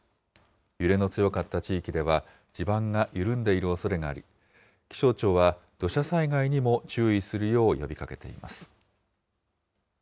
揺れの強かった地域では、地盤が緩んでいるおそれがあり、気象庁は土砂災害にも注意するよう呼びかけています。